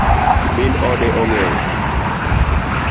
Min ode ong'eyo?